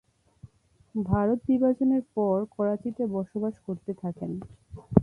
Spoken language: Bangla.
ভারত বিভাজনের পর করাচিতে বসবাস করতে থাকেন।